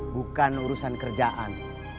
bukan urusan kerjaan